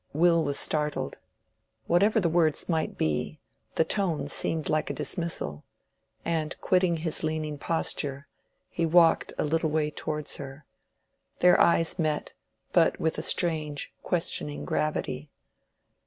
Will was startled. Whatever the words might be, the tone seemed like a dismissal; and quitting his leaning posture, he walked a little way towards her. Their eyes met, but with a strange questioning gravity.